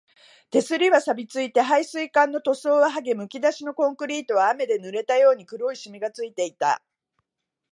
手すりは錆ついて、配水管の塗装ははげ、むき出しのコンクリートは雨で濡れたように黒いしみがついていた